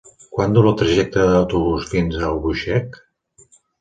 Quant dura el trajecte en autobús fins a Albuixec?